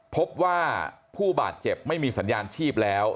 พบว่าผู้บาดเจ็บไม่มีสัญญาณชีพแล้ว